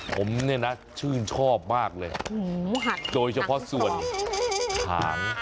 ผมเนี่ยนะชื่นชอบมากเลยโดยเฉพาะส่วนหาง